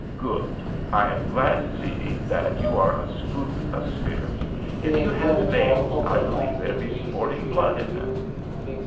"Good! I am glad to see that you are a spook of spirit. If you had veins, I believe there'd be sporting blood in them."